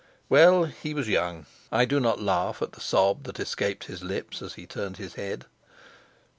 Well, he was young; I do not laugh at the sob that escaped his lips as he turned his head.